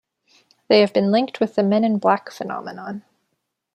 They have been linked with the Men in Black phenomenon.